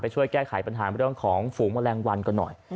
ช่วยแก้ไขปัญหาเรื่องของฝูงแมลงวันก่อนหน่อย